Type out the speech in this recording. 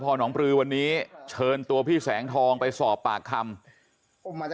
พอน้องปลือวันนี้เชิญตัวพี่แสงทองไปสอบปากคำ